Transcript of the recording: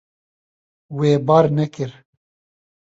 Wê bar nekir.